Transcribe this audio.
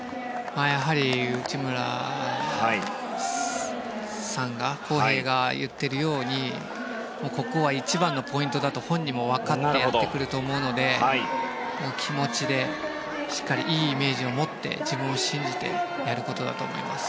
やはり航平が言っているようにここは一番のポイントだと本人もわかってやってくると思うので気持ちでしっかりいいイメージを持って自分を信じてやることだと思います。